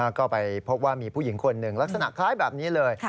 ก็ไปพบว่ามีผู้หญิงคนหนึ่งลักษณะคล้ายแบบนี้เลย